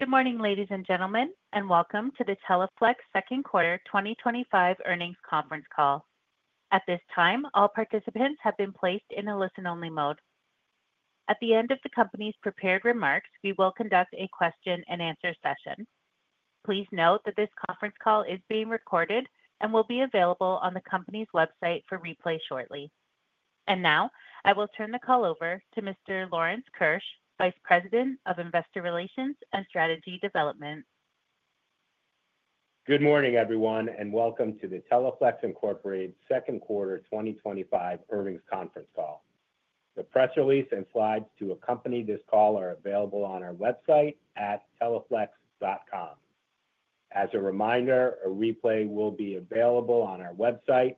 Good morning ladies and gentlemen, and welcome to the Teleflex second quarter 2025 earnings conference call. At this time, all participants have been placed in a listen only mode. At the end of the company's prepared remarks, we will conduct a question and answer session. Please note that this conference call is being recorded and will be available on the company's website for replay shortly. I will now turn the call over to Mr. Lawrence Keusch, Vice President of Investor Relations and Strategy Development. Good morning everyone and welcome to the Teleflex Incorporated second quarter 2025 earnings conference call. The press release and slides to accompany this call are available on our website at teleflex.com. As a reminder, a replay will be available on our website.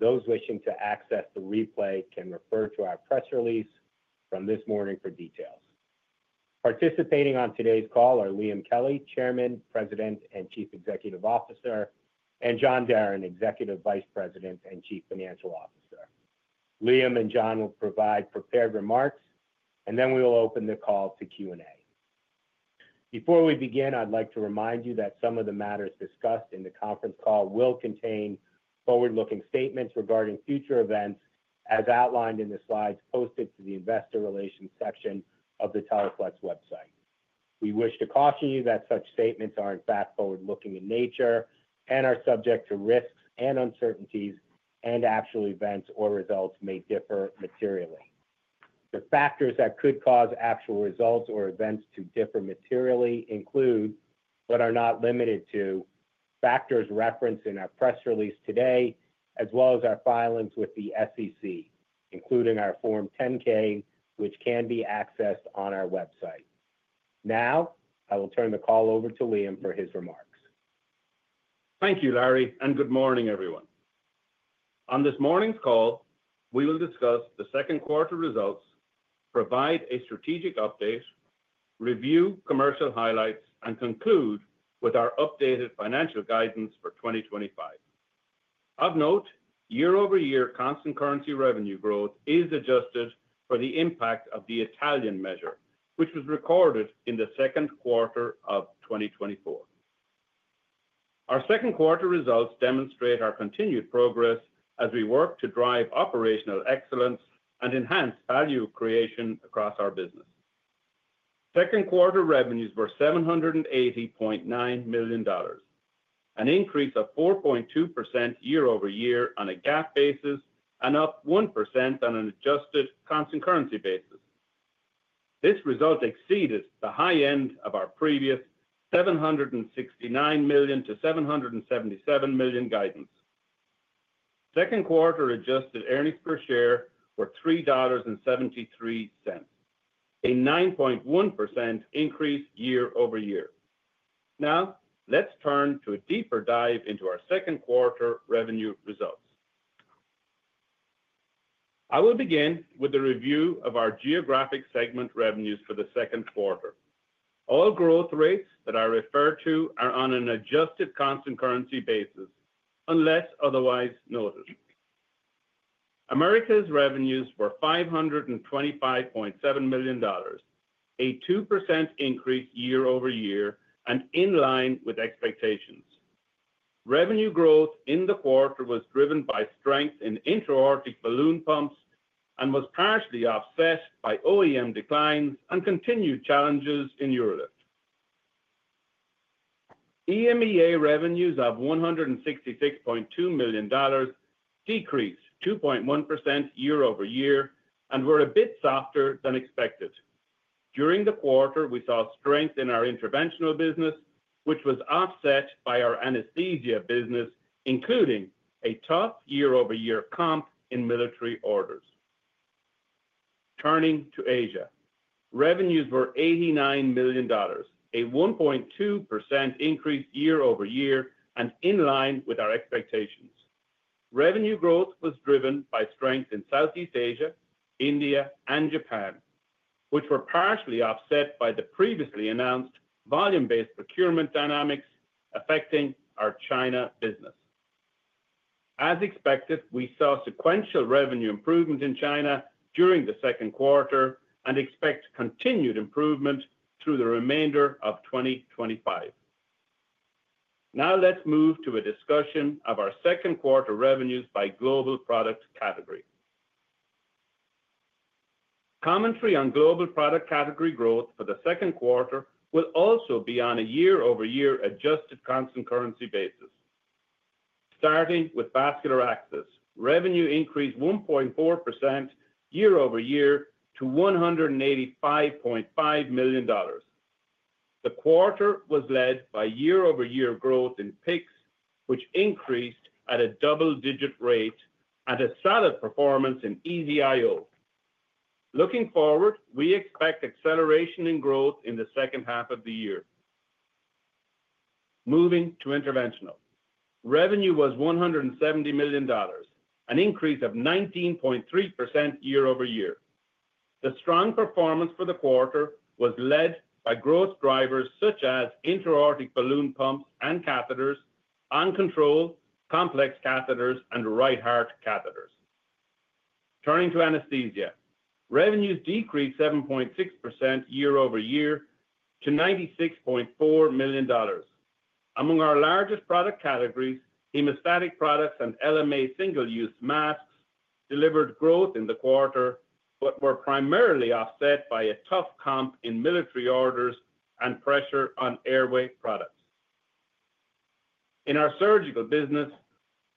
Those wishing to access the replay can refer to our press release from this morning for details. Participating on today's call are Liam Kelly, Chairman, President and Chief Executive Officer, and John Deren, Executive Vice President and Chief Financial Officer. Liam and John will provide prepared remarks and then we will open the call to Q&A. Before we begin, I'd like to remind you that some of the matters discussed in the conference call will contain forward-looking statements regarding future events as outlined in the slides posted to the Investor Relations section of the Teleflex website. We wish to caution you that such statements are in fact forward-looking in nature and are subject to risks and uncertainties, and actual events or results may differ materially. The factors that could cause actual results or events to differ materially include, but are not limited to, factors referenced in our press release today as well as our filings with the SEC, including our Form 10-K which can be accessed on our website. Now I will turn the call over to Liam for his remarks. Thank you, Larry, and good morning, everyone. On this morning's call, we will discuss the second quarter results, provide a strategic update, review commercial highlights, and conclude with our updated financial guidance for 2025. Of note, year-over-year constant currency revenue growth is adjusted for the impact of the Italian measure, which was recorded in the second quarter of 2024. Our second quarter results demonstrate our continued progress as we work to drive operational excellence and enhance value creation across our business. Second quarter revenues were $780.9 million, an increase of 4.2% year-over-year on a GAAP basis and up 1% on an adjusted constant currency basis. This result exceeded the high end of our previous $769 million-$777 million guidance. Second quarter adjusted earnings per share were $3.73, a 9.1% increase year-over-year. Now let's turn to a deeper dive into our second quarter revenue results. I will begin with a review of our geographic segment revenues for the second quarter. All growth rates that I refer to are on an adjusted constant currency basis unless otherwise noted. Americas revenues were $525.7 million, a 2% increase year-over-year and in line with expectations. Revenue growth in the quarter was driven by strength in intra-aortic balloon pumps and was partially offset by OEM declines and continued challenges in UroLift. EMEA revenues of $166.2 million decreased 2.1% year-over-year and were a bit softer than expected. During the quarter, we saw strength in our interventional business, which was offset by our anesthesia business, including a tough year-over-year comp in military order. Turning to Asia, revenues were $89 million, a 1.2% increase year-over-year and in line with our expectations. Revenue growth was driven by strength in Southeast Asia, India, and Japan, which were partially offset by the previously announced volume-based procurement dynamics affecting our China business. As expected, we saw sequential revenue improvement in China during the second quarter and expect continued improvement through the remainder of 2025. Now let's move to a discussion of our second quarter revenues by global product category. Commentary on global product category growth for the second quarter will also be on a year-over-year adjusted constant currency basis, starting with Vascular Access. Revenue increased 1.4% year-over-year to $185.5 million. The quarter was led by year-over-year growth in PICCs, which increased at a double-digit rate, and a solid performance in EZ-IO. Looking forward, we expect acceleration in growth in the second half of the year. Moving to Interventional, revenue was $170 million, an increase of 19.3% year-over-year. The strong performance for the quarter was led by growth drivers such as intra-aortic balloon pumps and catheters, OnControl, complex catheters, and right heart catheters. Turning to Anesthesia, revenues decreased 7.6% year-over-year to $96.4 million. Among our largest product categories, hemostatic products and LMA single-use masks delivered growth in the quarter but were primarily offset by a tough comp in military orders and pressure on airway products. In our Surgical business,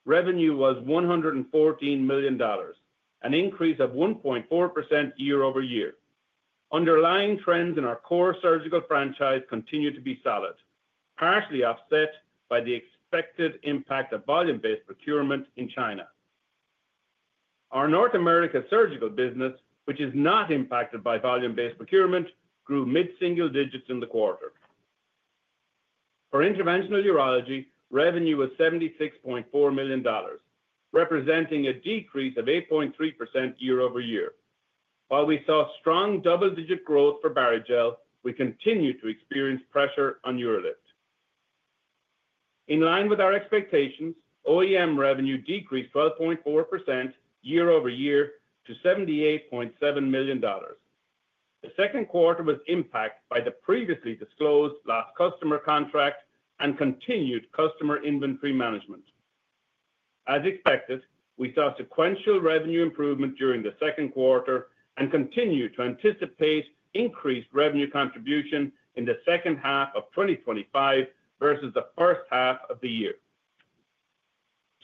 revenue was $114 million, an increase of 1.4% year-over-year. Underlying trends in our core Surgical franchise continue to be solid, partially offset by the expected impact of volume-based procurement in China. Our North America Surgical business, which is not impacted by volume-based procurement, grew mid-single digits in the quarter. For Interventional Urology, revenue was $76.4 million, representing a decrease of 8.3% year-over-year. While we saw strong double-digit growth for Barrigel, we continue to experience pressure on UroLift. In line with our expectations, OEM revenue decreased 12.4% year-over-year to $78.7 million. The second quarter was impacted by the previously disclosed lost customer contract and continued customer inventory management. As expected, we saw sequential revenue improvement during the second quarter and continue to anticipate increased revenue contribution in the second half of 2025 versus the first half of the year.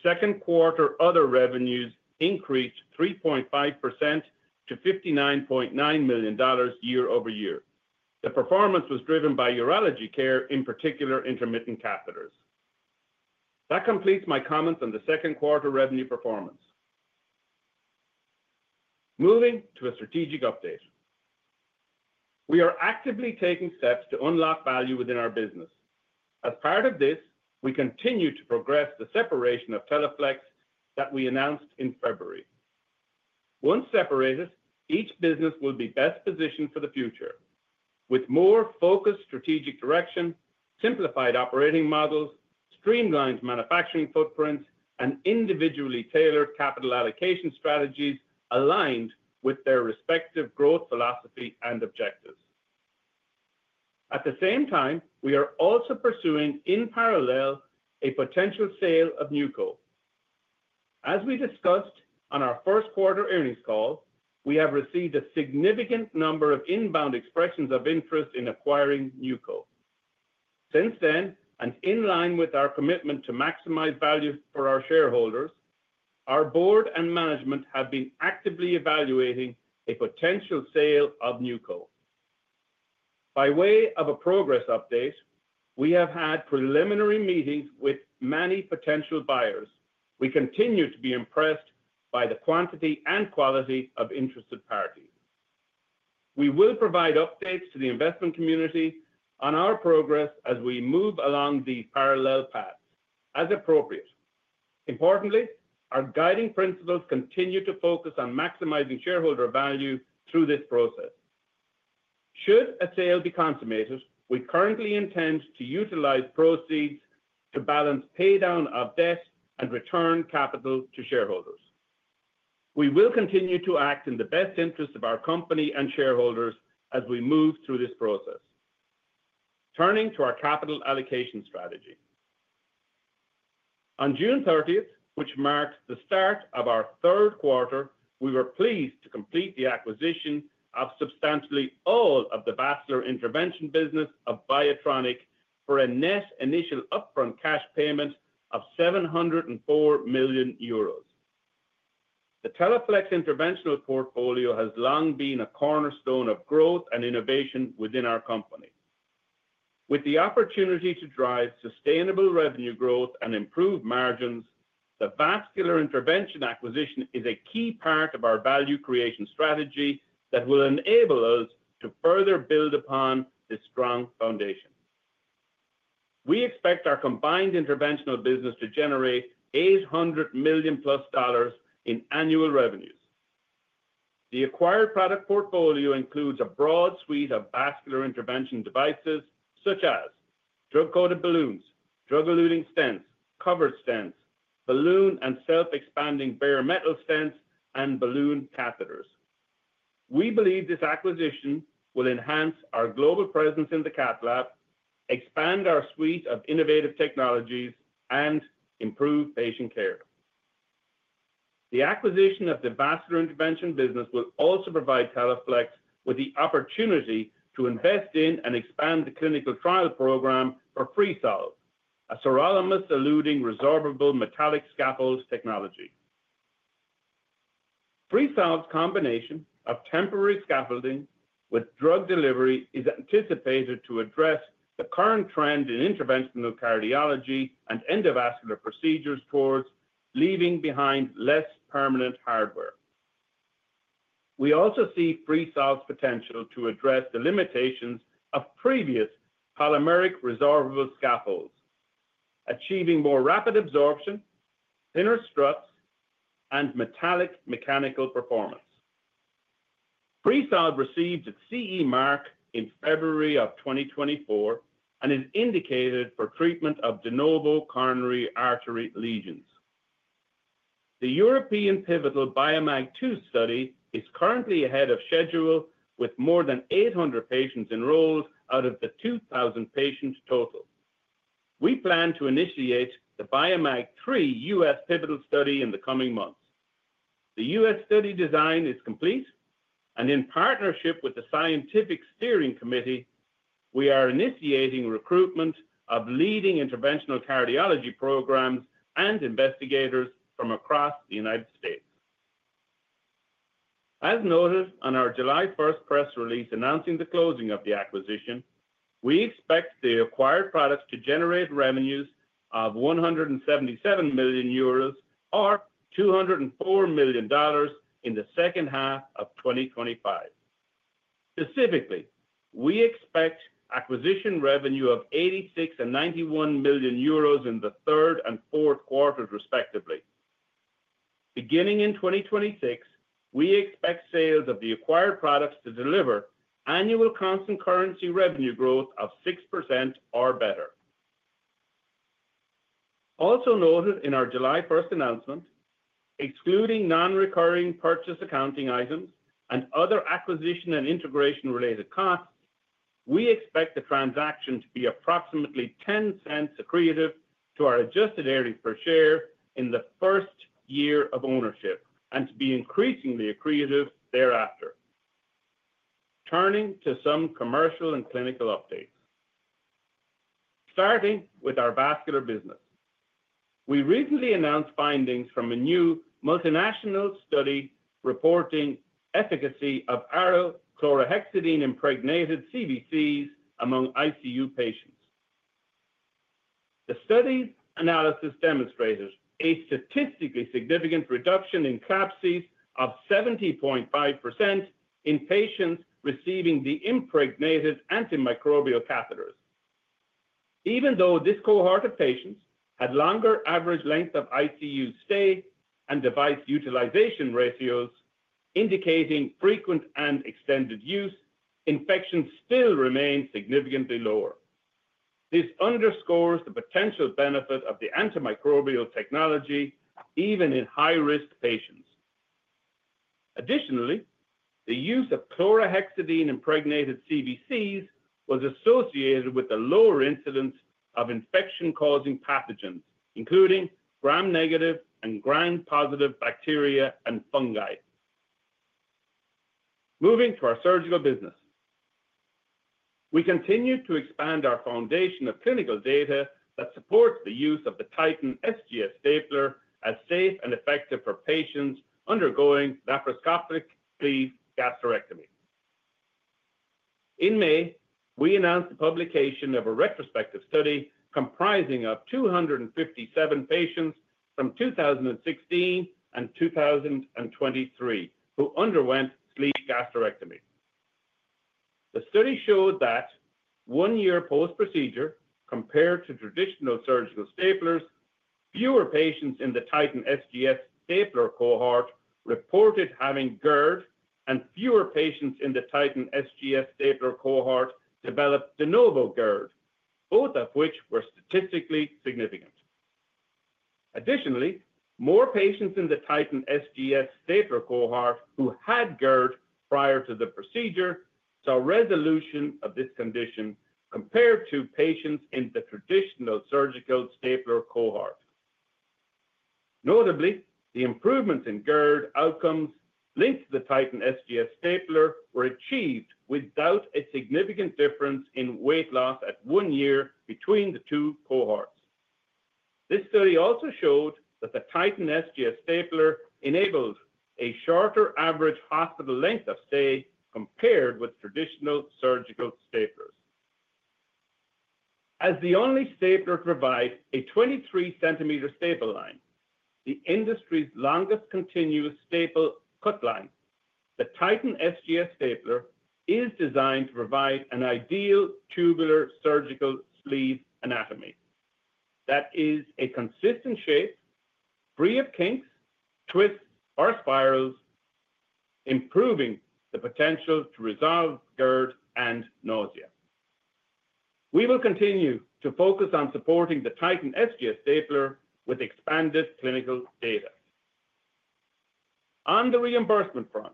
Second quarter Other revenues increased 3.5% to $59.9 million year-over-year. The performance was driven by Urology Care, in particular intermittent catheters. That completes my comments on the second quarter revenue performance. Moving to a strategic update, we are actively taking steps to unlock value within our business. As part of this, we continue to progress the separation of Teleflex that we announced in February. Once separated, each business will be best positioned for the future with more focused strategic direction, simplified operating models, streamlined manufacturing footprint, and individually tailored capital allocation strategies aligned with their respective growth philosophy and objectives. At the same time, we are also pursuing in parallel a potential sale of NewCo. As we discussed on our first quarter earnings call, we have received a significant number of inbound expressions of interest in acquiring NewCo. Since then, and in line with our commitment to maximize value for our shareholders, our Board and management have been actively evaluating a potential sale of NewCo. By way of a progress update, we have had preliminary meetings with many potential buyers. We continue to be impressed by the quantity and quality of interested parties. We will provide updates to the investment community on our progress as we move along these parallel paths as appropriate. Importantly, our guiding principles continue to focus on maximizing shareholder value through this process. Should a sale be consummated, we currently intend to utilize proceeds to balance pay down of debt and return capital to shareholders. We will continue to act in the best interest of our company and shareholders as we move through this process. Turning to our capital allocation strategy, on June 30, which marked the start of our third quarter, we were pleased to complete the acquisition of substantially all of the Vascular Intervention business of BIOTRONIK for a net initial upfront cash payment of 704 million euros. The Teleflex interventional portfolio has long been a cornerstone of growth and innovation within our company with the opportunity to drive sustainable revenue growth and improve margins. The Vascular Intervention acquisition is a key part of our value creation strategy that will enable us to further build upon this strong foundation. We expect our combined interventional business to generate $800 million+ in annual revenues. The acquired product portfolio includes a broad suite of vascular intervention devices such as drug-coated balloons, drug-eluting stents, covered stents, balloon and self-expanding bare metal stents, and balloon catheters. We believe this acquisition will enhance our global presence in Cath lab, expand our suite of innovative technologies, and improve patient care. The acquisition of the Vascular Intervention business will also provide Teleflex with the opportunity to invest in and expand the clinical trial program for Freesolve, a sirolimus-eluting resorbable metallic scaffold technology. Freesolve's combination of temporary scaffolding with drug delivery is anticipated to address the current trend in interventional cardiology and endovascular procedures towards leaving behind less permanent hardware. We also see Freesolve's potential to address the limitations of previous polymeric resorbable scaffolds, achieving more rapid absorption, thinner struts, and metallic mechanical performance. Freesolve received its CE Mark in February of 2024 and is indicated for treatment of de novo coronary artery lesions. The European pivotal BIOMAG-II study is currently ahead of schedule with more than 800 patients enrolled out of the 2,000 patients total. We plan to initiate the BIOMAG-III U.S. pivotal study in the coming months. The U.S. study design is complete and in partnership with the Scientific Steering Committee, we are initiating recruitment of leading interventional cardiology programs and investigators from across the United States. As noted on our July 1 press release announcing the closing of the acquisition, we expect the acquired products to generate revenues of 177 million euros, or $204 million in the second half of 2025. Specifically, we expect acquisition revenue of 86 million and 91 million euros in the third and fourth quarters respectively. Beginning in 2026, we expect sales of the acquired products to deliver annual constant currency revenue growth of 6% or better. Also noted in our July 1 announcement, excluding non-recurring purchase accounting items and other acquisition and integration related costs, we expect the transaction to be approximately $0.10 accretive to our adjusted earnings per share in the first year of ownership and to be increasingly accretive thereafter. Turning to some commercial and clinical updates starting with our vascular business, we recently announced findings from a new multinational study reporting efficacy of Arrow chlorhexidine impregnated CVCs among ICU patients. The study analysis demonstrated a statistically significant reduction in CLABSIs of 70.5% in patients receiving the impregnated antimicrobial catheters. Even though this cohort of patients had longer average length of ICU stay and device utilization ratios indicating frequent and extended use, infections still remain significantly lower. This underscores the potential benefit of the antimicrobial technology even in high-risk patients. Additionally, the use of chlorhexidine impregnated CVCs was associated with the lower incidence of infection-causing pathogens including gram-negative and gram-positive bacteria and fungi. Moving to our Surgical business, we continue to expand our foundation of clinical data that supports the use of the Titan SGS Stapler as safe and effective for patients undergoing laparoscopic sleeve gastrectomy. In May, we announced the publication of a retrospective study comprising 257 patients from 2016 and 2023 who underwent sleeve gastrectomy. The study showed that one year post-procedure, compared to traditional surgical staplers, fewer patients in the Titan SGS Stapler cohort reported having GERD and fewer patients in the Titan SGS Stapler cohort developed de novo GERD, both of which were statistically significant. Additionally, more patients in the Titan SGS Stapler cohort who had GERD prior to the procedure saw resolution of this condition compared to patients in the traditional surgical stapler cohort. Notably, the improvements in GERD outcomes linked to the Titan SGS Stapler were achieved without a significant difference in weight loss at one year between the two cohorts. This study also showed that the Titan SGS Stapler enabled a shorter average hospital length of stay compared with traditional surgical staplers. As the only stapler to provide a 23 cm staple line, the industry's longest continuous staple cut line, the Titan SGS Stapler is designed to provide an ideal tubular surgical sleeve anatomy that is a consistent shape free of kinks, twists, or spirals, improving the potential to resolve GERD and nausea. We will continue to focus on supporting the Titan SGS Stapler with expanded clinical data. On the reimbursement front,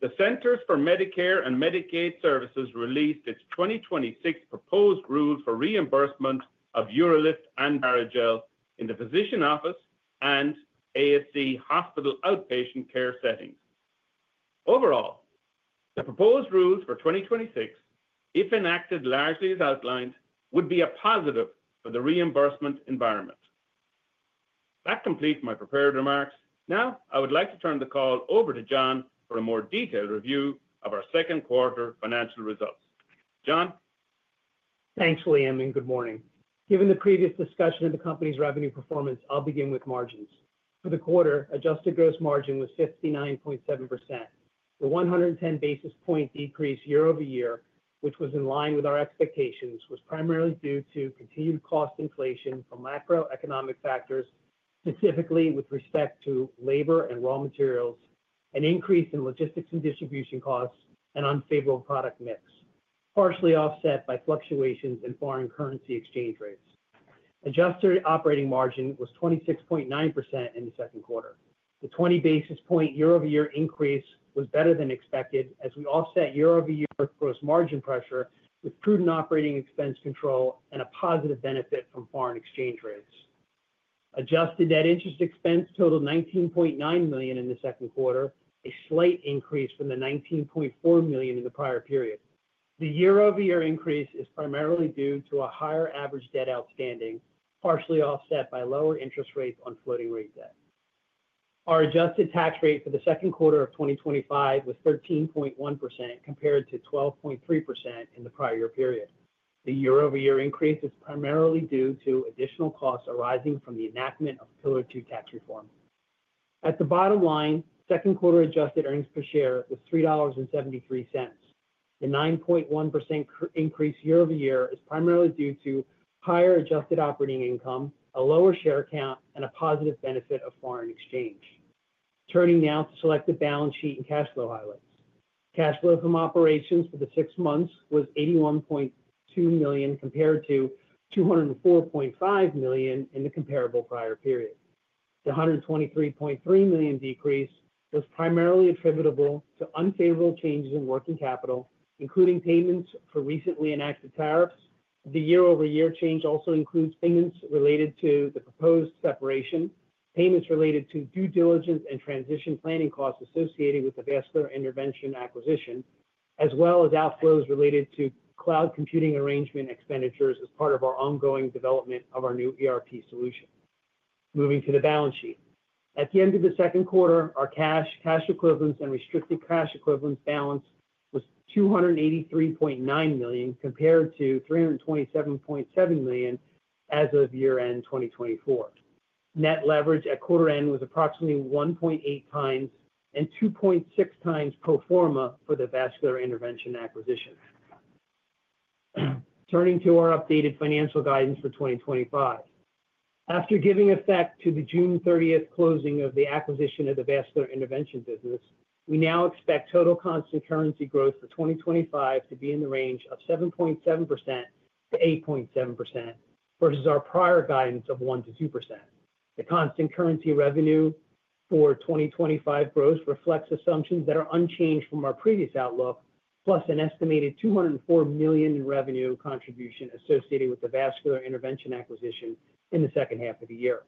the Centers for Medicare & Medicaid Services released its 2026 proposed rule for reimbursement of UroLift and Barrigel in the physician office and ASC hospital outpatient care settings. Overall, the proposed rules for 2026, if enacted largely as outlined, would be a positive for the reimbursement environment. That completes my prepared remarks. Now I would like to turn the call over to John for a more detailed review of our second quarter financial results. John, thanks Liam and good morning. Given the previous discussion of the company's revenue performance, I'll begin with margins for the quarter. Adjusted gross margin was 59.7%. The 110 basis point decrease year-over-year, which was in line with our expectations, was primarily due to continued cost inflation from macroeconomic factors, specifically with respect to labor and raw materials, an increase in logistics and distribution costs, and unfavorable product mix, partially offset by fluctuations in foreign currency exchange rates. Adjusted operating margin was 26.9% in the second quarter. The 20 basis point year-over-year increase was better than expected as we offset year-over-year gross margin pressure with prudent operating expense control and a positive benefit from foreign exchange rates. Adjusted net interest expense totaled $19.9 million in the second quarter, a slight increase from the $19.4 million in the prior period. The year-over-year increase is primarily due to a higher average debt outstanding, partially offset by lower interest rates on floating rate debt. Our adjusted tax rate for the second quarter of 2025 was 13.1% compared to 12.3% in the prior year period. The year-over-year increase is primarily due to additional costs arising from the enactment of Pillar II tax reform. At the bottom line, second quarter adjusted earnings per share was $3.73. The 9.1% increase year-over-year is primarily due to higher adjusted operating income, a lower share count, and a positive benefit of foreign exchange. Turning now to select the balance sheet and cash flow highlights, cash flow from operations for the six months was $81.2 million compared to $204.5 million in the comparable prior period. The $123.3 million decrease was primarily attributable to unfavorable changes in working capital, including payments for recently enacted tariffs. The year-over-year change also includes payments related to the proposed separation, payments related to due diligence and transition planning costs associated with the Vascular Intervention acquisition, as well as outflows related to cloud computing arrangement expenditures as part of our ongoing development of our new ERP solution. Moving to the balance sheet, at the end of the second quarter, our cash, cash equivalents, and restricted cash equivalents balance was $283.9 million compared to $327.7 million as of year end 2024. Net leverage at quarter end was approximately 1.8x and 2.6x pro forma for the Vascular Intervention acquisition. Turning to our updated financial guidance for 2025, after giving effect to the June 30 closing of the acquisition of the Vascular Intervention business, we now expect total constant currency growth for 2025 to be in the range of 7.7%-8.7% versus our prior guidance of 1%-2%. The constant currency revenue for 2025 reflects assumptions that are unchanged from our previous outlook plus an estimated $204 million in revenue contribution associated with the Vascular Intervention acquisition in the second half of the year.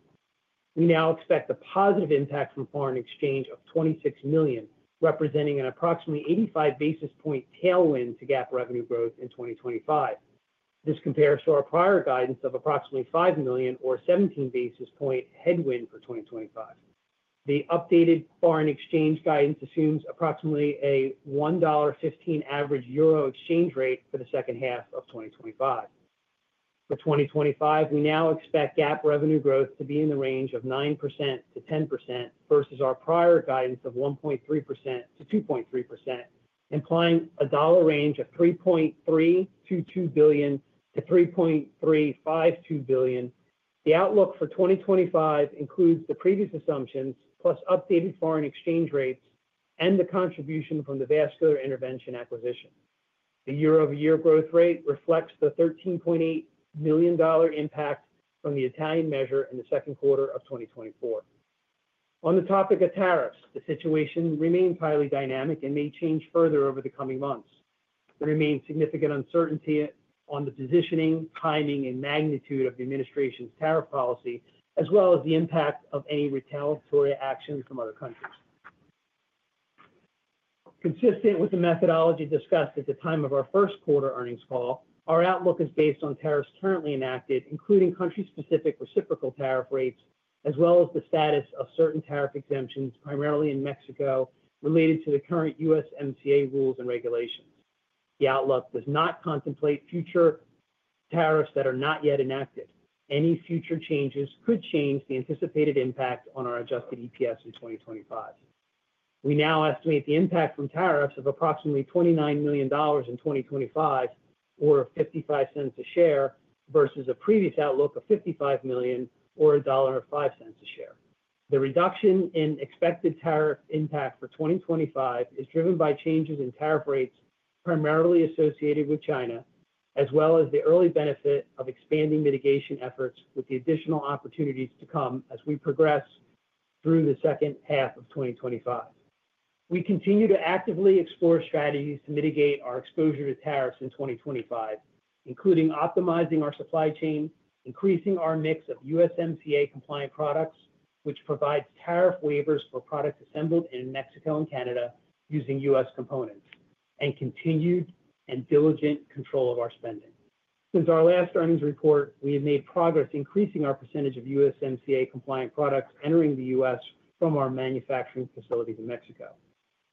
We now expect the positive impact from foreign exchange of $26 million, representing an approximately 85 basis point tailwind to GAAP revenue growth in 2025. This compares to our prior guidance of approximately $5 million or a 17 basis point headwind for 2025. The updated foreign exchange guidance assumes approximately a $1.15 average EUR exchange rate for the second half of 2025. For 2025, we now expect GAAP revenue growth to be in the range of 9%-10% versus our prior guidance of 1.3%-2.3%, implying a dollar range of $3.322 billion-$3.352 billion. The outlook for 2025 includes the previous assumptions plus updated foreign exchange rates and the contribution from the Vascular Intervention acquisition. The year-over-year growth rate reflects the $13.8 million impact from the Italian measure in the second quarter of 2024. On the topic of tariffs, the situation remains highly dynamic and may change further over the coming months. There remains significant uncertainty on the positioning, timing, and magnitude of the Administration's tariff policy as well as the impact of any retaliatory actions from other countries consistent with the methodology discussed at the time of our first quarter earnings call. Our outlook is based on tariffs currently enacted, including country-specific reciprocal tariff rates, as well as the status of certain tariff exemptions, primarily in Mexico, related to the current USMCA rules and regulations. The outlook does not contemplate future tariffs that are not yet enacted. Any future changes could change the anticipated impact on our adjusted EPS in 2025. We now estimate the impact from tariffs of approximately $29 million in 2025 or $0.55 a share versus a previous outlook of $55 million or $1.05 a share. The reduction in expected tariff impact for 2025 is driven by changes in tariff rates primarily associated with China, as well as the early benefit of expanding mitigation efforts with the additional opportunities to come as we progress through the second half of 2025. We continue to actively explore strategies to mitigate our exposure to tariffs in 2025, including optimizing our supply chain, increasing our mix of USMCA compliant products, which provides tariff waivers for products assembled in Mexico and Canada using U.S. components, and continued and diligent control of our spending. Since our last earnings report, we have made progress increasing our percentage of USMCA compliant products entering the U.S. from our manufacturing facilities in Mexico.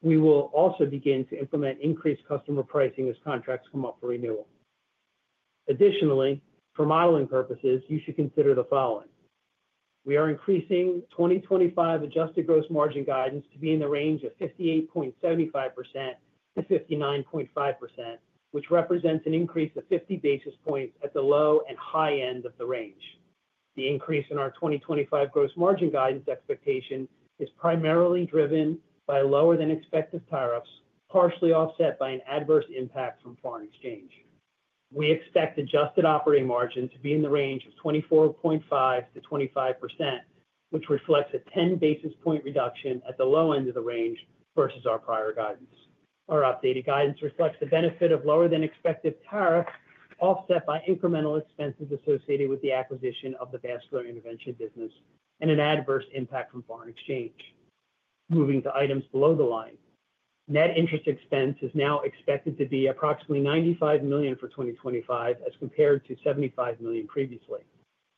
We will also begin to implement increased customer pricing as contracts come up for renewal. Additionally, for modeling purposes, you should consider the following: we are increasing 2025 adjusted gross margin guidance to be in the range of 58.75%-59.5%, which represents an increase of 50 basis points at the low and high end of the range. The increase in our 2025 gross margin guidance expectation is primarily driven by lower than expected tariffs, partially offset by an adverse impact from foreign exchange. We expect adjusted operating margin to be in the range of 24.5%-25%, which reflects a 10 basis point reduction at the low end of the range versus our prior guidance. Our updated guidance reflects the benefit of lower than expected tariffs offset by incremental expenses associated with the acquisition of the Vascular Intervention business and an adverse impact from foreign exchange. Moving to items below the line, net interest expense is now expected to be approximately $95 million for 2025 as compared to $75 million previously.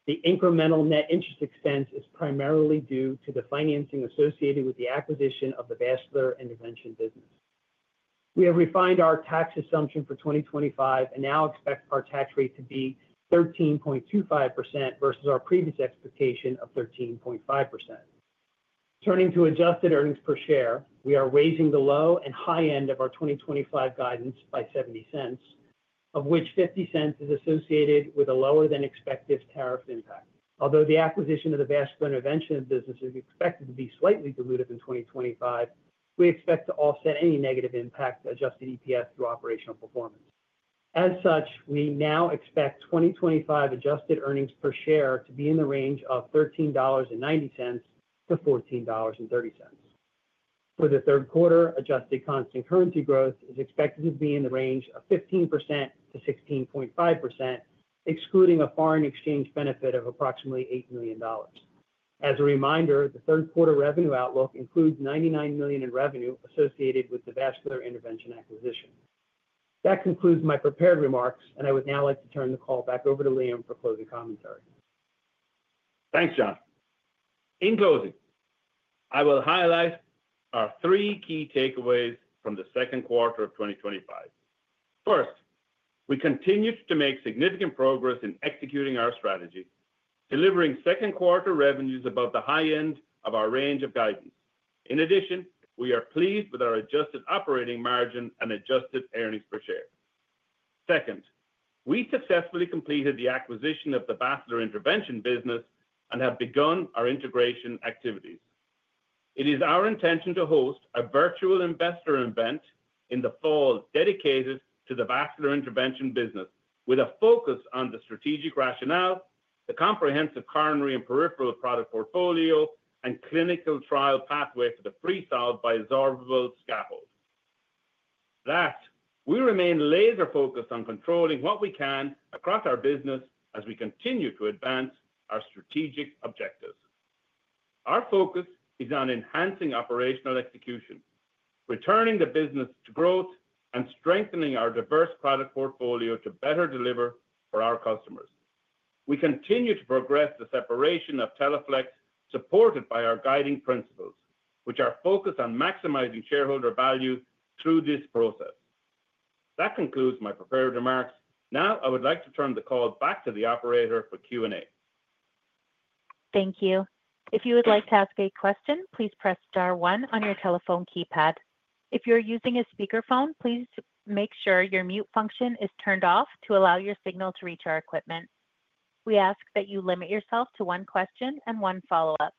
The incremental net interest expense is primarily due to the financing associated with the acquisition of the Vascular Intervention business. We have refined our tax assumption for 2025 and now expect our tax rate to be 13.25% versus our previous expectation of 13.5%. Turning to adjusted earnings per share, we are raising the low and high end of our 2025 guidance by $0.70, of which $0.50 is associated with a lower than expected tariff impact. Although the acquisition of the Vascular Intervention business is expected to be slightly dilutive in 2025, we expect to offset any negative impact to adjusted EPS through operational performance. As such, we now expect 2025 adjusted earnings per share to be in the range of $13.90-$14.30 for the third quarter. Adjusted constant currency growth is expected to be in the range of 15%-16.5%, excluding a foreign exchange benefit of approximately $8 million. As a reminder, the third quarter revenue outlook includes $99 million in revenue associated with the vascular intervention acquisition. That concludes my prepared remarks and I would now like to turn the call back over to Liam for closing commentary. Thanks, John. In closing, I will highlight our three key takeaways from the second quarter of 2025. First, we continue to make significant progress in executing our strategy, delivering second quarter revenues above the high end of our range of guidance. In addition, we are pleased with our adjusted operating margin and adjusted earnings per share. Second, we successfully completed the acquisition of the Vascular Intervention business and have begun our integration activities. It is our intention to host a virtual investor event in the fall dedicated to the Vascular Intervention business with a focus on the strategic rationale, the comprehensive coronary and peripheral product portfolio, and clinical trial pathway for the Freesolve resorbable metallic scaffold. We remain laser focused on controlling what we can across our business as we continue to advance our strategic objectives. Our focus is on enhancing operational execution, returning the business to growth, and strengthening our diverse product portfolio to better deliver for our customers. We continue to progress the separation of Teleflex, supported by our guiding principles, which are focused on maximizing shareholder value through this process. That concludes my prepared remarks. Now I would like to turn the call back to the operator for Q&A. Thank you. If you would like to ask a question, please press star one on your telephone keypad. If you're using a speakerphone, please make sure your mute function is turned off to allow your signal to reach our equipment. We ask that you limit yourself to one question and one follow-up.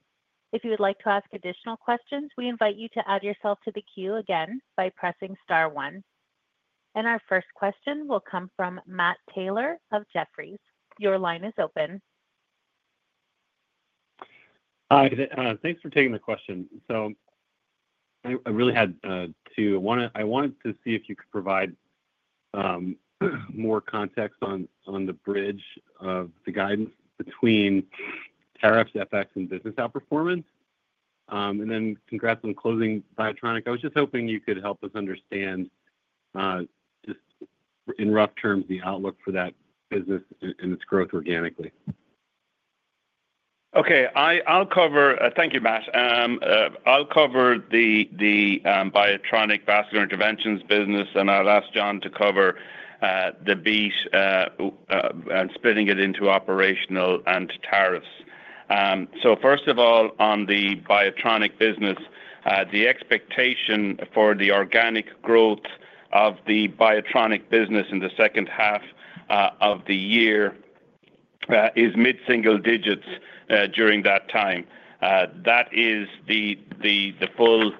If you would like to ask additional questions, we invite you to add yourself to the queue again by pressing star one. Our first question will come from Matt Taylor of Jefferies. Your line is. Hi, thanks for taking the question. I wanted to see if you could provide. More. Context on the bridge of the guidance between tariffs, FX, and business outperformance, and then congrats on closing BIOTRONIK. I was just hoping you could help. us understand just in rough terms the outlook for that business and its growth organically. Okay, I'll cover. Thank you, Matt. I'll cover the BIOTRONIK Vascular Intervention business, and I'll ask John to cover the beat and splitting it into operational and tariffs. First of all, on the BIOTRONIK business, the expectation for the organic growth of the BIOTRONIK business in the second half of the year is mid single digits during that time. That is the full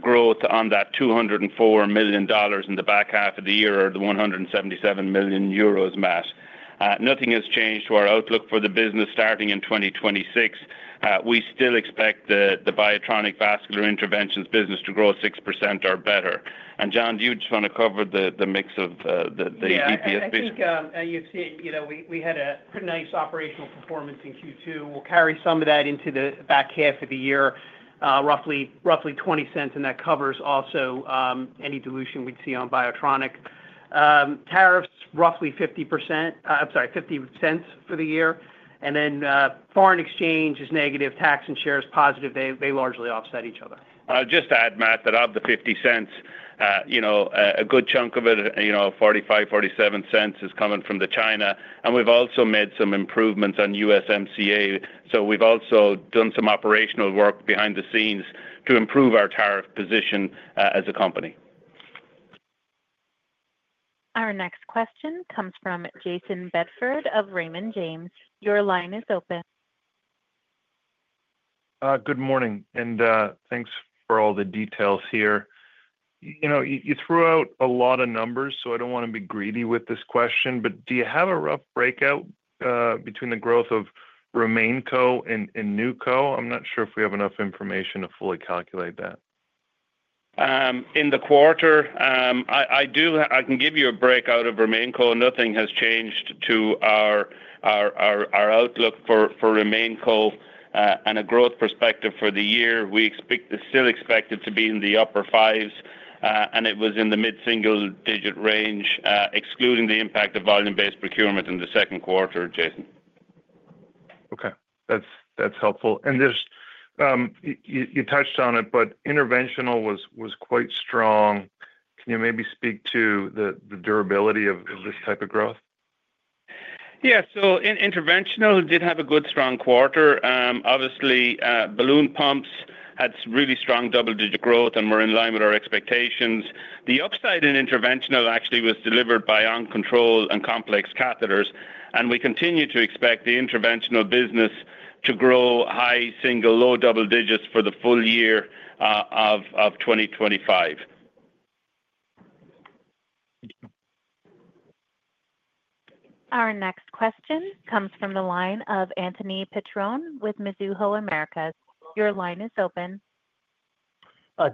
growth on that $204 million in the back half of the year, or the 177 million euros. Matt, nothing has changed to our outlook for the business. Starting in 2026, we still expect the BIOTRONIK Vascular Intervention business to grow 6% or better. John, do you want to cover the mix of the EPS? We had a pretty nice operational performance in Q2. We'll carry some of that into the back half of the year, roughly $0.20. That covers also any dilution we'd see on BIOTRONIK tariffs, roughly 50%. I'm sorry, $0.50 for the year. Foreign exchange is negative, tax and shares positive. They largely offset each other. Just add Matt, that of the $0.50, you know, a good chunk of it, you know, $0.45, $0.47 is coming from China. We've also made some improvements on USMCA. We've also done some operational work behind the scenes to improve our tariff position as a company. Our next question comes from Jayson Bedford of Raymond James. Your line is open. Good morning, and thanks for all the details here. You threw out a lot of numbers, so I don't want to be greedy with this question, but do you have a rough breakout between the growth of RemainCo and NewCo? I'm not sure if we have enough. Information to fully calculate that in the quarter. I can give you a breakout of RemainCo. Nothing has changed to our outlook for RemainCo and a growth perspective for the year. We still expect it to be in the upper 5% and it was in the mid single digit range excluding the impact of volume-based procurement in the second quarter. Okay, that's helpful and you touched on it. Interventional was quite strong. Can you maybe speak to the durability? Of this type of growth? Yes. Interventional did have a good strong quarter. Obviously, intra-aortic balloon pumps had really strong double-digit growth and were in line with our expectations. The upside in Interventional actually was delivered by OnControl and complex catheters, and we continue to expect the Interventional business to grow high single to low double digits for the full year of 2025. Our next question comes from the line of Anthony Petrone with Mizuho Americas. Your line is open.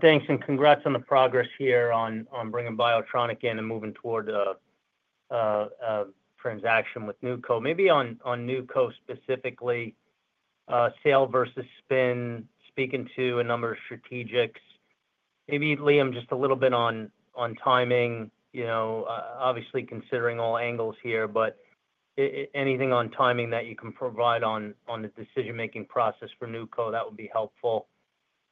Thanks. Congratulations on the progress here. Bringing BIOTRONIK in and moving toward a transaction with NewCo. Maybe on NewCo specifically, sale versus spin split. Speaking to a number of strategics, maybe. Liam, just a little bit on timing. Obviously considering all angles here, but anything on timing that you can provide on the decision-making process for NewCo, that would be helpful.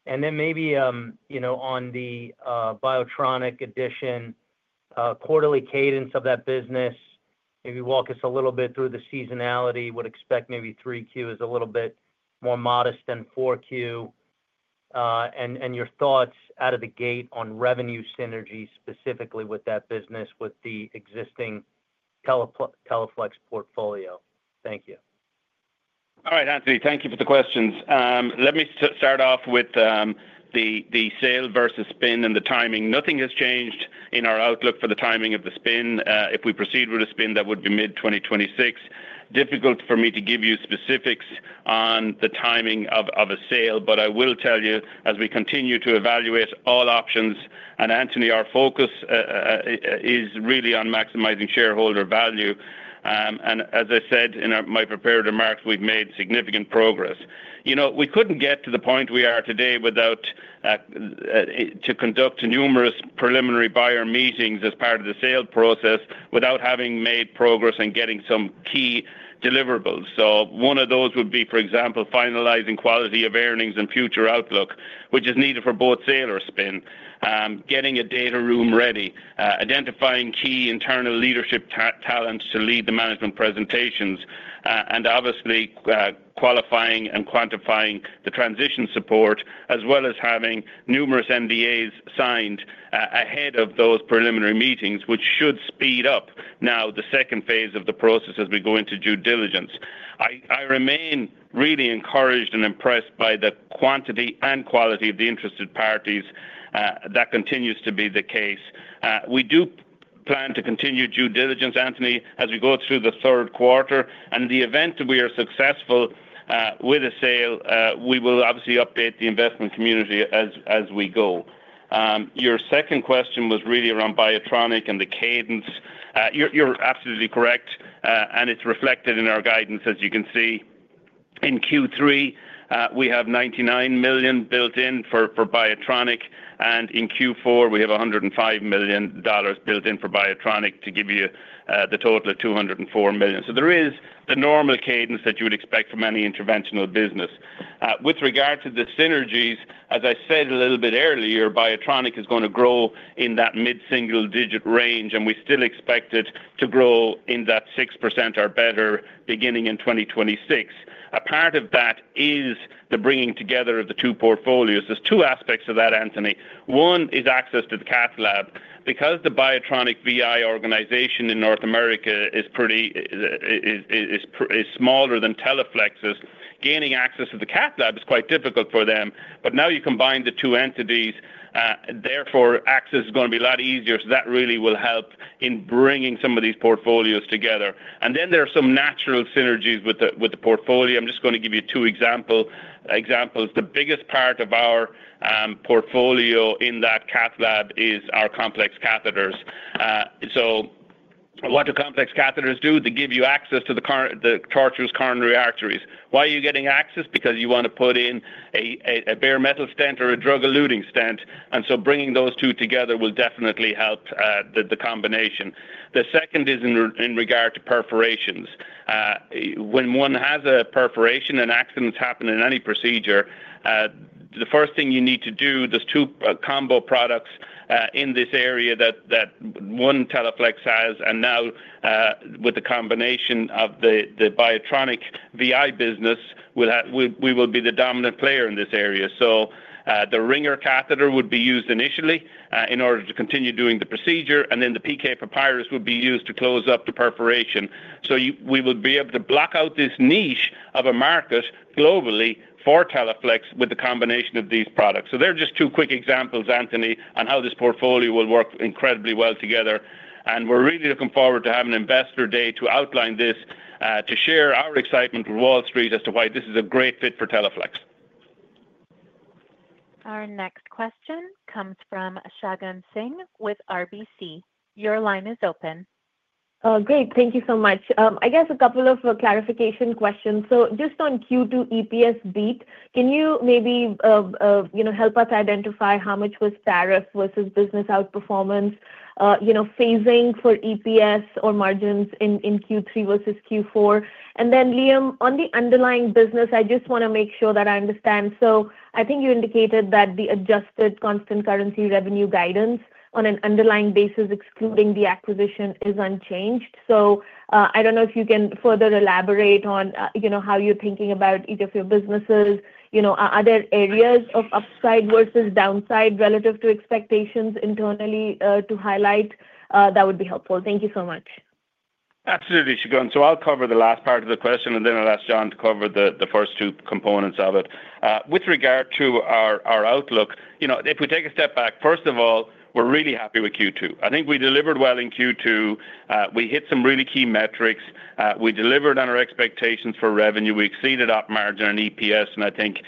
Maybe on the BIOTRONIK addition, quarterly cadence of that business, maybe walk us a little bit through the seasonality. Would expect maybe 3Q is a little bit more modest than 4Q. Your thoughts out of the gate on revenue synergies specifically with that business with the existing Teleflex portfolio. Thank you. All right, Anthony, thank you for the questions. Let me start off with the sale versus spin and the timing. Nothing has changed in our outlook for the timing of the spin. If we proceed with a spin, that would be mid-2026. It is difficult for me to give you specifics on the timing of a sale, but I will tell you as we continue to evaluate all options, and Anthony, our focus is really on maximizing shareholder value. As I said in my prepared remarks, we've made significant progress. We couldn't get to the point we are today without conducting numerous preliminary buyer meetings as part of the sale process, without having made progress in getting some key deliverables. One of those would be, for example, finalizing quality of earnings and future outlook, which is needed for both sale or spin, getting a data room ready, identifying key internal leadership talent to lead the management presentations, and obviously qualifying and quantifying the transition support, as well as having numerous NDAs signed ahead of those preliminary meetings, which should speed up now the second phase of the process as we go into due diligence. I remain really encouraged and impressed by the quantity and quality of the interested parties. That continues to be the case. We do plan to continue due diligence, Anthony, as we go through the third quarter, and in the event that we are successful with a sale, we will obviously update the investment community as we go. Your second question was really around BIOTRONIK and the cadence. You're absolutely correct and it's reflected in our guidance. As you can see, in Q3 we have $99 million built in for BIOTRONIK and in Q4 we have $105 million built in for BIOTRONIK to give you the total of $204 million. There is the normal cadence that you would expect from any interventional business. With regard to the synergies, as I said a little bit earlier, BIOTRONIK is going to grow in that mid single digit range and we still expect it to grow in that 6% or better beginning in 2026. A part of that is the bringing together of the two portfolios. There are two aspects of that, Anthony. One is access to Cath lab. Because the BIOTRONIK VI organization in North America is smaller than Teleflex's, gaining access to Cath lab is quite difficult for them. Now you combine the two entities, therefore access is going to be a lot easier. That really will help in bringing some of these portfolios together. There are some natural synergies with the portfolio. I'm just going to give you two examples. The biggest part of our portfolio in Cath lab is our complex catheters. What do complex catheters do? They give you access to the chartreuse coronary arteries. Why are you getting access? Because you want to put in a bare metal stent or a drug-eluting stent. Bringing those two together will definitely help the combination. The second is in regard to perforations. When one has a perforation and accidents happen in any procedure, the first thing you need to do, there are two combo products in this area that Teleflex has. Now with the combination of the BIOTRONIK Vascular Intervention business, we will be the dominant player in this area. The Ringer Catheter would be used initially in order to continue doing the procedure, and then the PK Papyrus would be used to close up the perforation. We will be able to block out this niche of a market globally for Teleflex with the combination of these products. These are just two quick examples, Anthony, on how this portfolio will work incredibly well together. We are really looking forward to having an investor day to outline this to share our excitement with Wall Street as to why this is a great fit for Teleflex. Our next question comes from Shagun Singh with RBC. Your line is open. Great, thank you so much. I guess a couple of clarification questions. Just on Q2 EPS beat, can you maybe help us identify how much was tariff versus business outperformance, phasing for EPS or margins in Q3 versus Q4? Then Liam, on the underlying business, I just want to make sure that I understand. I think you indicated that the adjusted constant currency revenue guidance on an underlying basis excluding the acquisition is unchanged. I don't know if you can further elaborate on how you're thinking about each of your businesses. Other areas of upside versus downside relative to expectations internally to highlight that would be helpful. Thank you so much. Absolutely, Shagun. I'll cover the last part of the question and then I'll ask John to cover the first two components of it. With regard to our outlook, you know, if we take a step back, first of all, we're really happy with Q2. I think we delivered well in Q2. We hit some really key metrics. We delivered on our expectations for revenue, we exceeded OP margin and EPS, and I think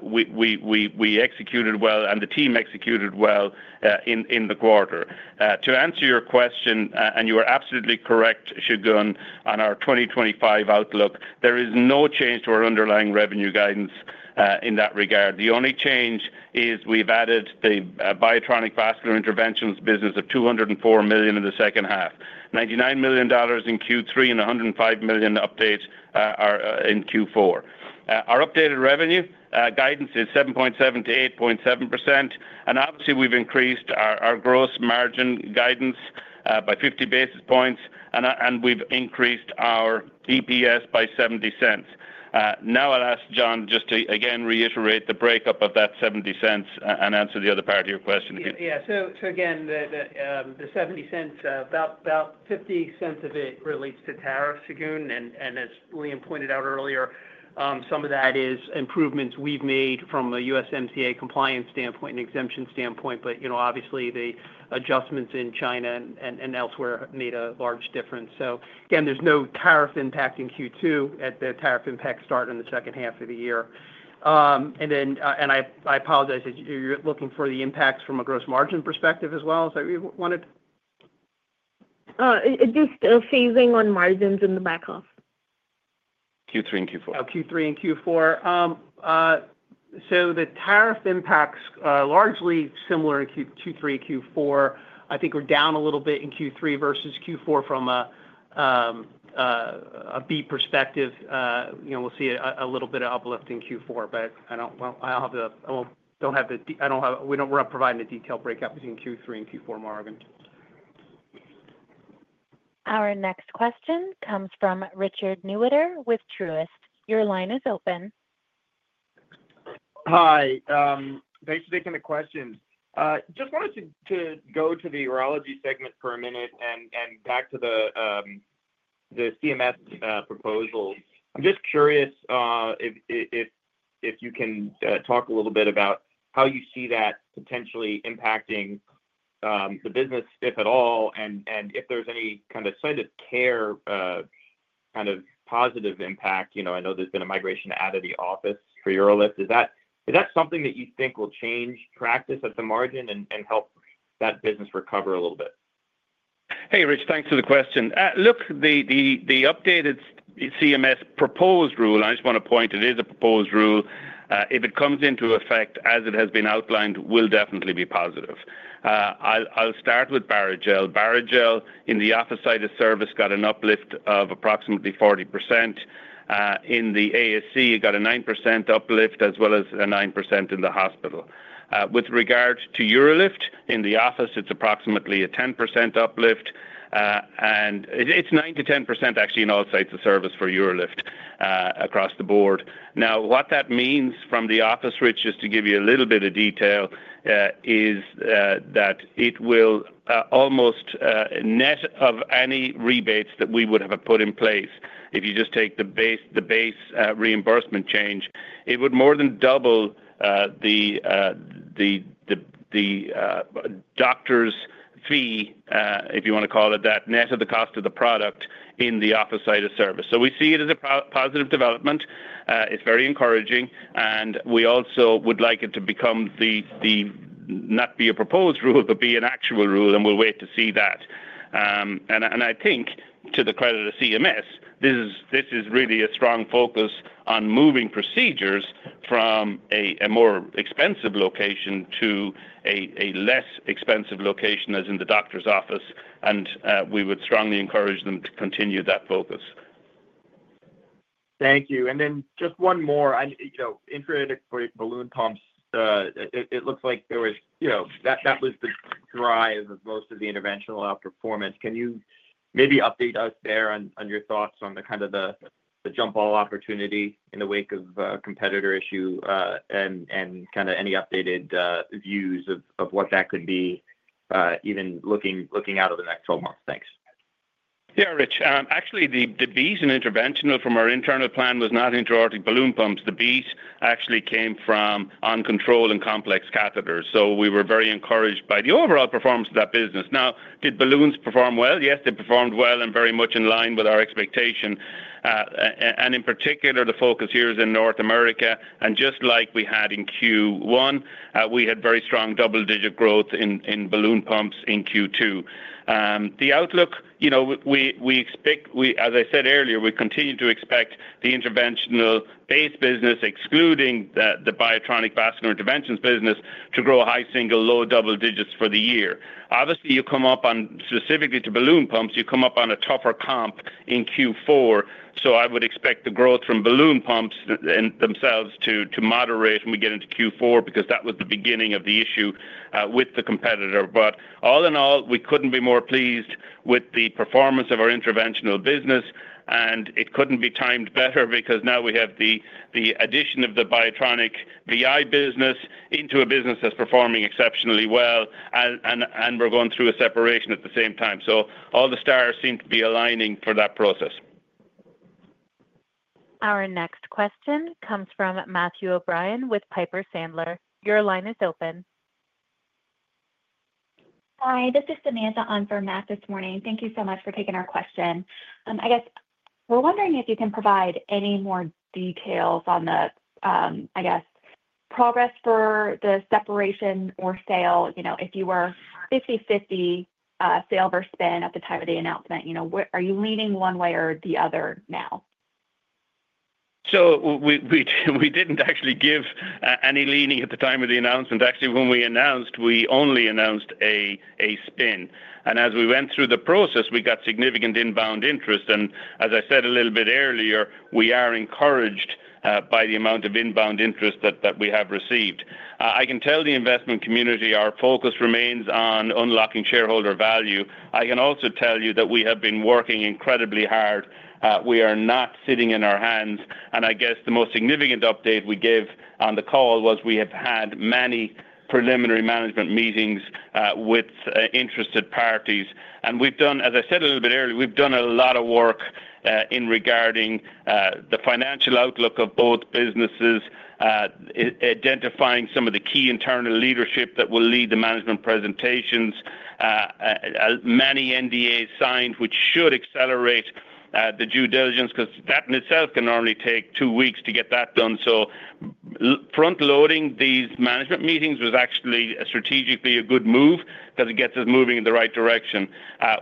we executed well and the team executed well in the quarter. To answer your question, and you are absolutely correct, Shagun, on our 2025 outlook, there is no change to our underlying revenue guidance in that regard. The only change is we've added the BIOTRONIK Vascular Intervention business of $204 million in the second half, $99 million in Q3 and $105 million in Q4. Our updated revenue guidance is 7.7%-8.7%. Obviously, we've increased our gross margin guidance by 50 basis points and we've increased our EPS by $0.70. Now I'll ask John just to again reiterate the breakup of that $0.70 and answer the other part of your question. Yeah, so again, the $0.70 back, about $0.50 of it relates to tariffs. As Liam pointed out earlier, some of that is improvements we've made from a USMCA compliance standpoint and exemption standpoint. Obviously, the adjustments in China and elsewhere made a large difference. There's no tariff impact in Q2, the tariff impact starts in the second half of the year, and I apologize, you're looking for the impacts from a gross margin perspective as well, is that we wanted. Just phasing on margins in the back. Q3 and Q4, Q3 and Q4. The tariff impacts are largely similar in Q3 and Q4. I think we're down a little bit in Q3 versus Q4 from a B perspective. We'll see a little bit of uplift in Q4, but I don't. I don't have. We're not providing a detailed breakout between Q3 and Q4. Margins. Our next question comes from Richard Newitter with Truist. Your line is open. Hi, thanks for taking the questions. Just wanted to go to the urology segment for a minute and back to the CMS proposal. I'm just curious if you can talk a little bit about how you see that potentially impacting the business, if at all, and if there's any kind of site of care kind of positive impact. I know there's been a migration out of the office for UroLift. Is that something that you... Think will change practice at the margin and help that business recover a little bit? Hey Rich, thanks for the question. Look, the updated CMS proposed rule, I just want to point out, it is a proposed rule. If it comes into effect as it has been outlined, it will definitely be positive. I'll start with Barrigel. Barrigel in the office site of service got an uplift of approximately 40%. In the ASC, it got a 9% uplift as well as a 9% in the hospital. With regard to UroLift in the office, it's approximately a 10% uplift and it's 9%-10% actually in all sites of service for UroLift across the board. Now what that means from the office, Rich, just to give you a little bit of detail, is that it will almost net of any rebates that we would have put in place. If you just take the base reimbursement change, it would more than double the doctor's fee, if you want to call it that, net of the cost of the product in the office site of service. We see it as a positive development. It's very encouraging. We also would like it to become not be a proposed rule but be an actual rule and we'll wait to see that. I think to the credit of CMS, this is really a strong focus on moving procedures from a more expensive location to a less expensive location, as in the doctor's office. We would strongly encourage them to continue that focus. Thank you. Just one more intra-aortic balloon pumps. It looks like that was the driver of most of the interventional outperformance. Can you maybe update us there on your thoughts on the kind of the jump all opportunity in the wake of competitor issue and any updated views of what that could be even looking out over the next 12 months. Thanks. Yeah Rich, actually the beat in Interventional from our internal plan was not intra-aortic balloon pumps. The beat actually came from uncontrolled and complex catheters. We were very encouraged by the overall performance of that business. Now, did balloons perform well? Yes, they performed well and very much in line with our expectation. In particular, the focus here is in North America, and just like we had in Q1, we had very strong double-digit growth in balloon pumps in Q2. The outlook, you know, we expect, as I said earlier, we continue to expect the Interventional base business, excluding the BIOTRONIK Vascular Intervention business, to grow high single to low double digits for the year. Obviously, you come up on, specifically to balloon pumps, you come up on a tougher comp in Q4. I would expect the growth from balloon pumps themselves to moderate when we get into Q4 because that was the beginning of the issue with the competitor. All in all, we couldn't be more pleased with the performance of our Interventional business. It couldn't be timed better because now we have the addition of the BIOTRONIK VI business into a business that's performing exceptionally well, and we're going through a separation at the same time. All the stars seem to be aligning for that process. Our next question comes from Matthew O'Brien with Piper Sandler. Your line is open. Hi, this is Samantha on for Matt this morning. Thank you so much for taking our question. I guess we're wondering if you can provide any more details on the progress for the separation or sale. You know, if you were 50/50 sale versus spin at the time of the announcement, are you leaning one way or the other now? We didn't actually give any leaning at the time of the announcement. Actually, when we announced, we only announced a spin. As we went through the process, we got significant inbound interest. As I said a little bit earlier, we are encouraged by the amount of inbound interest that we have received. I can tell the investment community our focus remains on unlocking shareholder value. I can also tell you that we have been working incredibly hard. We are not sitting on our hands. I guess the most significant update we gave on the call was we have had many preliminary management meetings with interested parties and we've done, as I said a little bit earlier, we've done a lot of work regarding the financial outlook of both businesses, identifying some of the key internal leadership that will lead the management presentations. Many NDAs signed, which should accelerate the due diligence because that in itself can only take two weeks to get that done. Front loading these management meetings was actually strategically a good move for us because it gets us moving in the right direction.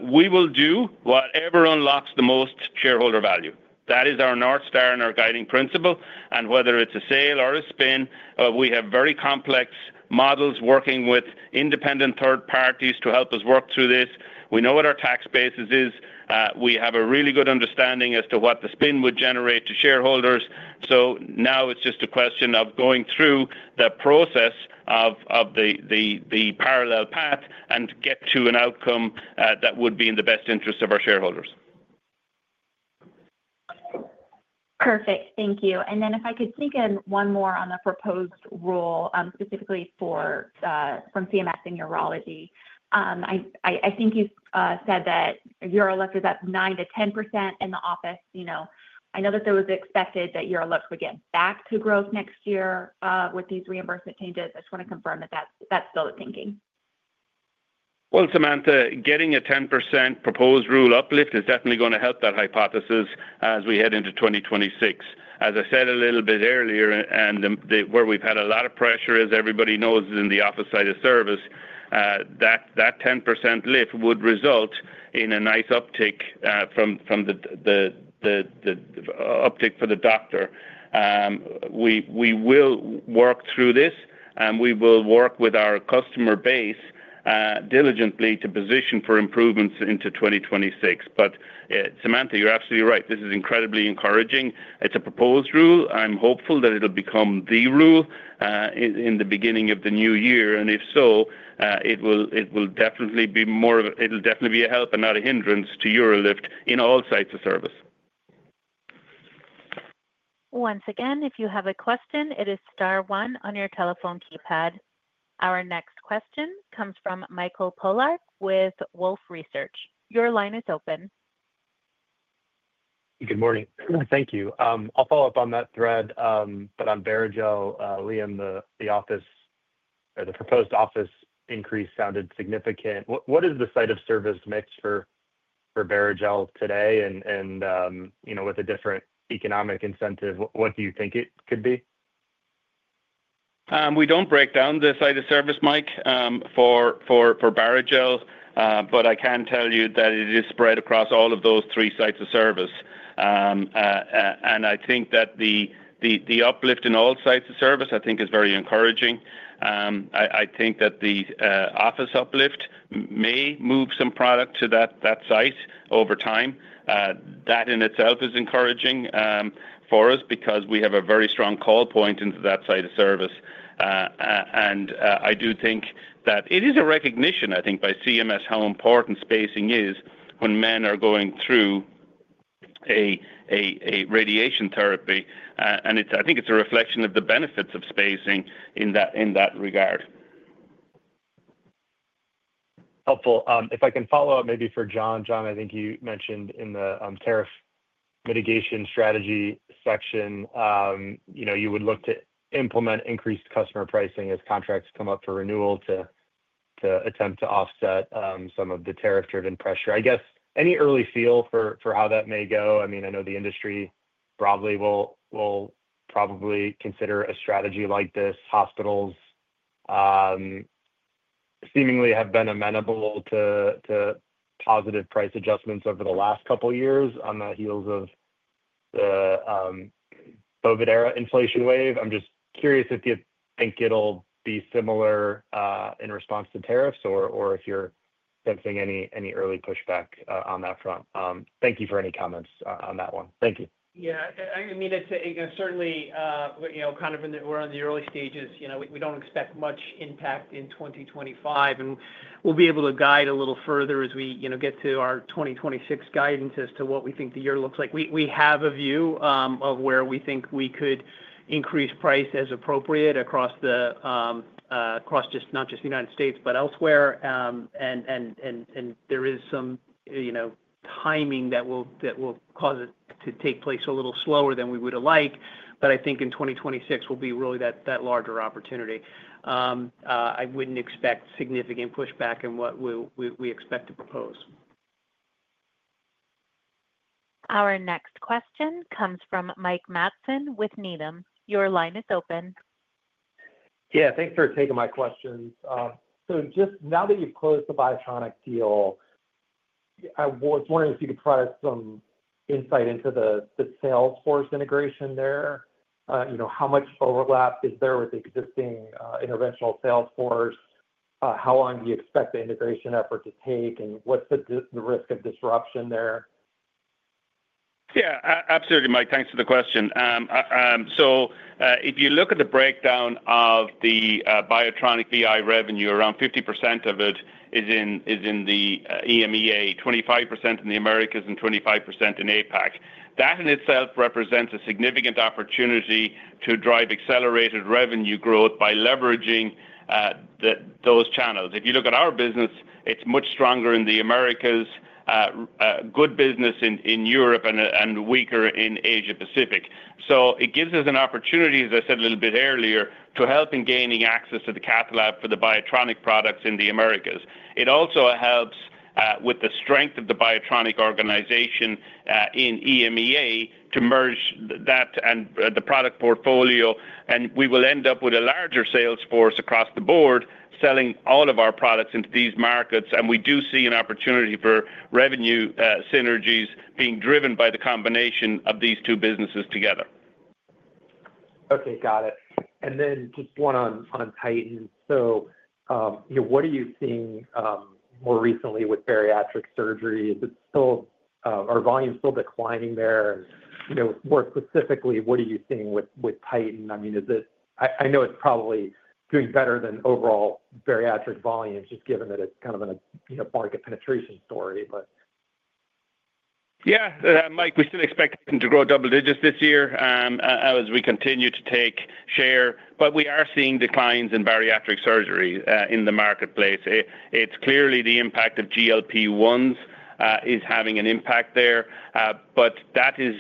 We will do whatever unlocks the most shareholder value. That is our North Star and our guiding principle. Whether it's a sale or a spin, we have very complex models working with independent third parties to help us work through this. We know what our tax basis is. We have a really good understanding as to what the spin would generate to shareholders. Now it's just a question of going through the process of the parallel path and getting to an outcome that would be in the best interest of our shareholders. Perfect, thank you. If I could sneak in one more on the proposed rule specifically from CMS in urology, I think you said that UroLift is up 9%-10% in the office. I know that there was expected that UroLift would get back to growth next year with these reimbursement changes, I just want to confirm that that's the thinking. Samantha, getting a 10% proposed rule uplift is definitely going to help that hypothesis as we head into 2026. As I said a little bit earlier and where we've had a lot of pressure, as everybody knows, in the office side of service, that 10% lift would result in a nice uptick for the doctor. We will work through this and we will work with our customer base diligently to position for improvements into 2026. Samantha, you're absolutely right. This is incredibly encouraging. It's a proposed rule. I'm hopeful that it will become the rule in the beginning of the new year, and if so, it will definitely be more. It will definitely be a help and not a hindrance to UroLift in all sites of service. Once again, if you have a question, it is Star one on your telephone keypad. Our next question comes from Michael Polark with Wolfe Research. Your line is open. Good morning. Thank you. I'll follow up on that thread. On Barrigel, Liam, the proposed office increase sounded significant. What is the site of service mix for Barrigel today? With a different economic incentive, what do you think it could be? We don't break down the site of service, Mike, for Barrigel, but I can tell you that it is spread across all of those three sites of service. I think that the uplift in all sites of service is very encouraging. I think that the office uplift may move some product to that site over time. That in itself is encouraging for us because we have a very strong call point into that site of service. I do think that it is a recognition by CMS how important spacing is when men are going through a radiation therapy. I think it's a reflection of the benefits of spacing in that regard. Helpful. If I can follow up maybe for John. John, I think you mentioned in the tariff mitigation strategy section, you would look to implement increased customer pricing as contracts come up for renewal to attempt to offset some of the tariff driven pressure. I guess any early feel for how that may go, I mean, I know the industry broadly will probably consider a strategy like this. Hospitals seemingly have been amenable to positive price adjustments over the last couple years on the heels of the COVID era inflation wave. I'm just curious if you think it'll be similar in response to tariffs or if you're sensing any early pushback on that front. Thank you for any comments on that one. Thank you. Yeah, I mean it's certainly, you know, kind of in the, we're in the early stages. We don't expect much impact in 2025, and we'll be able to guide a little further as we get to our 2026 guidance as to what we think the year looks like. We have a view of where we think we could increase price as appropriate across not just the United States, but elsewhere. There is some timing that will cause it to take place a little slower than we would have liked. I think in 2026 will be really that larger opportunity. I wouldn't expect significant pushback in what we expect to propose. Our next question comes from Mike Matson with Needham. Your line is open. Yeah, thanks for taking my questions. Now that you've closed the BIOTRONIK deal, I was wondering if you could provide us some insight into the salesforce integration there. You know, how much overlap is there with the existing Interventional sales force? How long do you expect the integration? Effort to take and what's the risk of disruption there? Yeah, absolutely, Mike. Thanks for the question. If you look at the breakdown of the BIOTRONIK VI revenue, around 50% of it is in the EMEA, 25% in the Americas, and 25% in APAC. That in itself represents a significant opportunity to drive accelerated revenue growth by leveraging those channels. If you look at our business, it's much stronger in the Americas, good business in Europe, and weaker in Asia Pacific. It gives us an opportunity, as I said a little bit earlier, to help in gaining access to Cath lab for the BIOTRONIK products in the Americas. It also helps with the strength of the BIOTRONIK organization in EMEA to merge that and the product portfolio. We will end up with a larger sales force across the board selling all of our products into these markets. We do see an opportunity for revenue synergies being driven by the combination of these two businesses together. Okay, got it. What are you seeing more recently with bariatric surgery? Are volumes still declining there? More specifically, what are you seeing with Titan SGS Stapler? Is it. I know it's probably doing better than overall bariatric volumes just given that it's. Kind of a market penetration story. Yes, Mike, we still expect them. To grow double digits this year as we continue to take share. We are seeing declines in bariatric surgery in the marketplace. It's clearly the impact of GLP-1s is having an impact there, but that is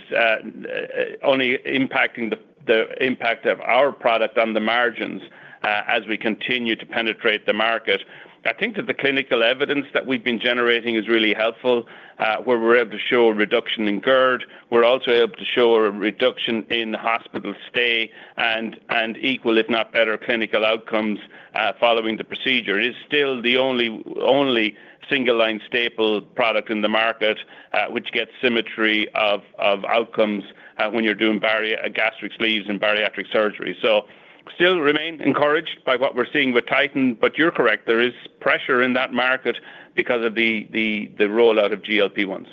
only impacting the impact of our product on the margins as we continue to penetrate the market. I think that the clinical evidence that we've been generating is really helpful where we're able to show a reduction in GERD. We're also able to show a reduction in hospital stay and equal, if not better, clinical outcomes following the procedure. It is still the only single line staple product in the market which gets symmetry of outcomes when you're doing gastric sleeves and bariatric surgery. I still remain encouraged by what we're seeing with Titan SGS Stapler. You're correct, there is pressure in that market because of the rollout of GLP-1s.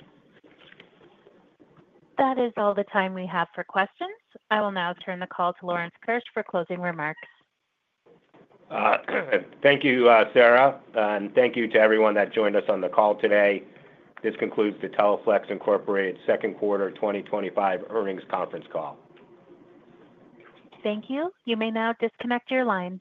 That is all the time we have for questions. I will now turn the call to Lawrence Keusch for closing remarks. Thank you, Sarah. Thank you to everyone that joined us on the call today. This concludes the Teleflex Incorporated second quarter 2025 earnings conference call. Thank you. You may now disconnect your lines.